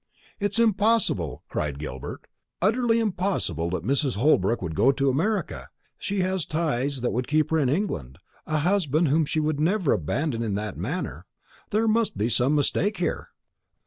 "It's impossible," cried Gilbert; "utterly impossible that Mrs. Holbrook would go to America! She has ties that would keep her in England; a husband whom she would never abandon in that manner. There must be some mistake here."